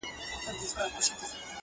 دا نفرتونه ځان ځانۍ به له سینې و باسو,